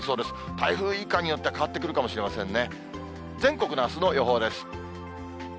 台風いかんによっては変わってくるかもしれませんね。